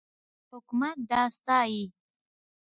حکومت دا ستایي.